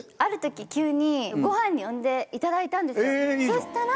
そしたら。